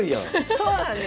そうなんです。